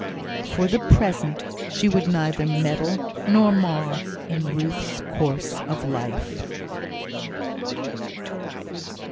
For the present she would neither meddle nor mar in Ruth's course of life.